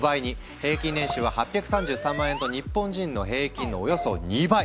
平均年収は８３３万円と日本人の平均のおよそ２倍！